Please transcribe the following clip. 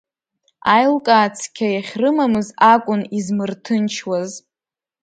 Аилкаа цқьа иахьрымамыз акәын измырҭынчуаз.